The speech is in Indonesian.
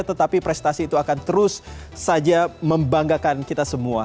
tetapi prestasi itu akan terus saja membanggakan kita semua